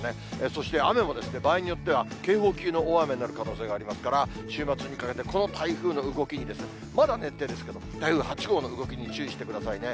そして雨も、場合によっては、警報級の大雨になる可能性がありますから、週末にかけて、この台風の動きにまだ熱低ですけど、台風８号の動きに注意してくださいね。